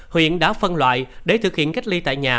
huyện đã phân loại để thực hiện cách ly tại nhà